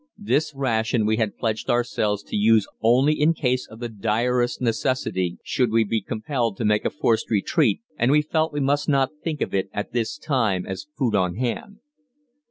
This ration we had pledged ourselves to use only in case of the direst necessity, should we be compelled to make a forced retreat, and we felt we must not think of it at this time as food on hand.